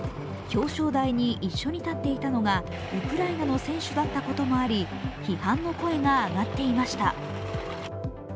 表彰台に一緒に立っていたのがウクライナの選手だったこともあり批判の声が上がっていました。